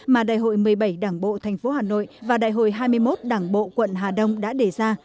mà đại hội một mươi bảy đảng bộ tp hà nội và đại hội hai mươi một đảng bộ quận hà đông đã đề ra